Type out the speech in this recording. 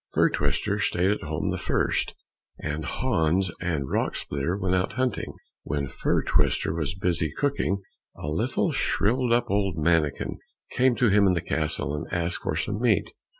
Fir twister stayed at home the first, and Hans and Rock splitter went out hunting. When Fir twister was busy cooking, a little shrivelled up old mannikin came to him in the castle, and asked for some meat.